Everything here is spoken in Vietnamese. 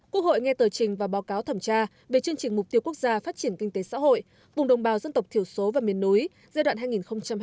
quốc hội nghe tờ trình và báo cáo thẩm tra về chương trình mục tiêu quốc gia phát triển kinh tế xã hội vùng đồng bào dân tộc thiểu số và miền núi giai đoạn hai nghìn hai mươi một hai nghìn ba mươi